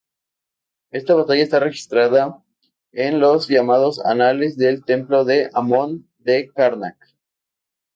Esta batalla está registrada en los llamados Anales del templo de Amon de Karnak.